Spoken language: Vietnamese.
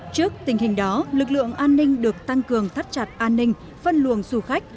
trước tình hình đó lực lượng an ninh được tăng cường thắt chặt an ninh phân luồng du khách